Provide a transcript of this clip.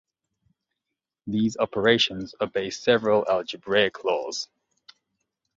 These operations obey several algebraic laws.